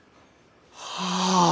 はあ。